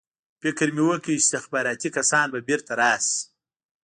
فکر مې وکړ چې استخباراتي کسان به بېرته راشي